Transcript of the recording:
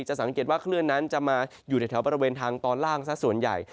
สังเกตว่าคลื่นนั้นจะมาอยู่ในแถวบริเวณทางตอนล่างสักส่วนใหญ่